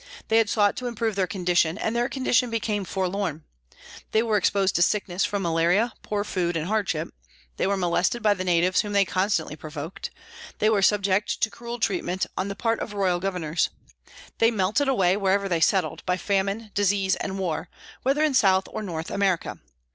They had sought to improve their condition, and their condition became forlorn. They were exposed to sickness from malaria, poor food, and hardship; they were molested by the natives whom they constantly provoked; they were subject to cruel treatment on the part of royal governors. They melted away wherever they settled, by famine, disease, and war, whether in South or North America.